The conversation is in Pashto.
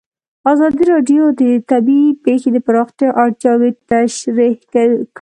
ازادي راډیو د طبیعي پېښې د پراختیا اړتیاوې تشریح کړي.